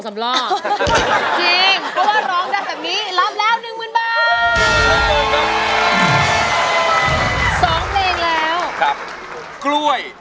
ก็ร้องได้ให้ร้าน